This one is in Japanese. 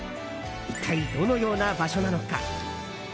一体どのような場所なのか？